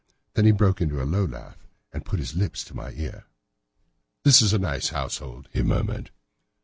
Then he broke into a low laugh and put his lips to my ear. "It is a nice household," he murmured.